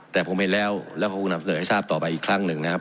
แต่ผมเห็นแล้วแล้วคงนำเสนอให้ทราบต่อไปอีกครั้งหนึ่งนะครับ